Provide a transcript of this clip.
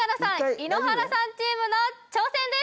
井ノ原さんチームの挑戦です！